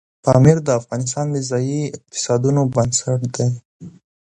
پامیر د افغانستان د ځایي اقتصادونو بنسټ دی.